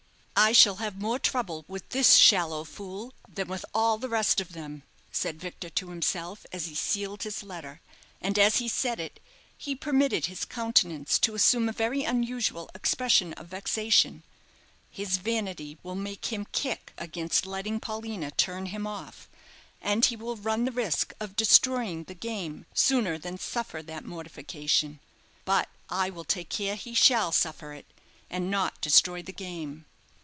"I shall have more trouble with this shallow fool than with all the rest of them," said Victor to himself, as he sealed his letter; and, as he said it, he permitted his countenance to assume a very unusual expression of vexation; "his vanity will make him kick against letting Paulina turn him off; and he will run the risk of destroying the game sooner than suffer that mortification. But I will take care he shall suffer it, and not destroy the game.